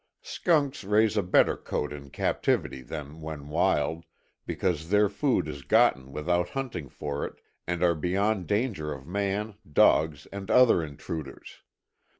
Skunks raise a better coat in captivity than when wild, because their food is gotten without hunting for it, and are beyond danger of man, dogs, and other intruders.